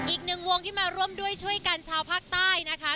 อีกหนึ่งวงที่มาร่วมด้วยช่วยกันชาวภาคใต้นะคะ